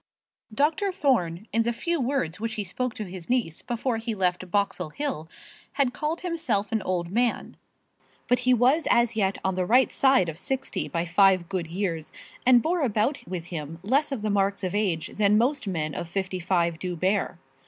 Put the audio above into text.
Dr. Thorne, in the few words which he spoke to his niece before he left Boxall Hill, had called himself an old man; but he was as yet on the right side of sixty by five good years, and bore about with him less of the marks of age than most men of fifty five do bear.